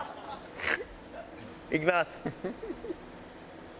いきます。